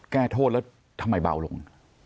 แก้โทษแล้วทำไมเบาลง